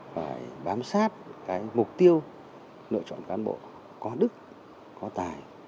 phải bám sát cái mục tiêu lựa chọn cán bộ có đức có tài